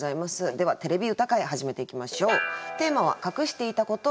では「てれび歌会」始めていきましょう。